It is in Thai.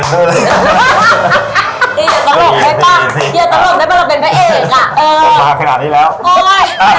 จิดเวลาเนี่ยรอคร่อยครับ